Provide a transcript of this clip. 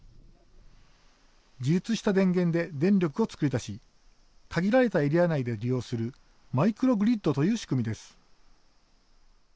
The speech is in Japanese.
自立した電源で電力を作り出し限られたエリア内で利用するマイクログリッドという仕組みです。